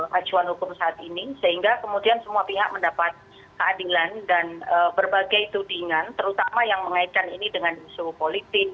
acuan hukum saat ini sehingga kemudian semua pihak mendapat keadilan dan berbagai tudingan terutama yang mengaitkan ini dengan isu politik